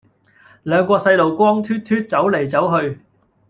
兩個細路光脫脫走黎走去